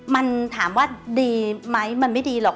มันถามว่าดีไหมมันไม่ดีหรอก